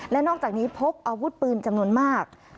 และนอกจากนี้พบอาวุธปืนจำนวนมาก